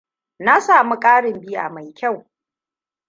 Na samu karin biya mai kyau.